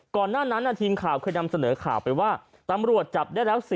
ก่อนหน้านั้นทีมข่าวเคยนำเสนอข่าวไปว่าตำรวจจับได้แล้ว